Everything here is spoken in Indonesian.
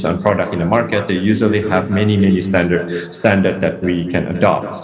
tentang produk di pasar biasanya mereka memiliki banyak banyak tantangan yang bisa kita lakukan